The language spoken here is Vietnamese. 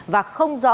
và không doanh nghiệp